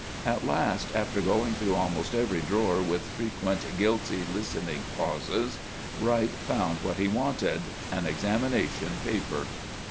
At last, after going through almost every drawer with frequent guilty, listening pauses, Wright found what he wanted, an examination paper!